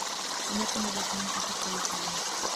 لم يكن لدى سامي أحد كي يساعده.